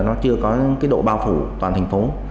nó chưa có độ bao phủ toàn thành phố